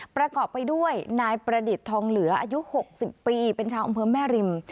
ประกอบไปด้วยนายประดิษฐ์ทองเหลืออายุ๖๐ปีเป็นชาวอำเภอแม่ริม